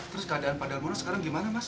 terus keadaan pak darmono sekarang gimana mas